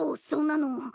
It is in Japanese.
そんなの。